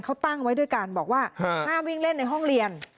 เขาตั้งไว้ด้วยกันบอกว่าห้ามวิ่งเล่นในห้องเรียน